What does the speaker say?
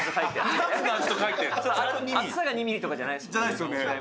厚さが２ｍｍとかじゃないです。